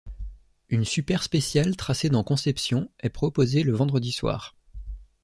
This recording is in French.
Une super spéciale tracée dans Concepción est proposée le vendredi soir.